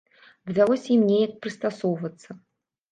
Давялося ім неяк прыстасоўвацца.